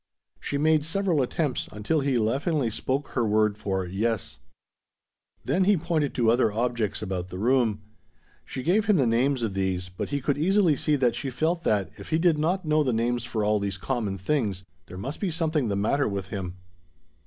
She made several attempts, until he laughingly spoke her word for "yes." Then he pointed to other objects about the room. She gave him the names of these, but he could easily see that she felt that, if he did not know the names for all these common things, there must be something the matter with him.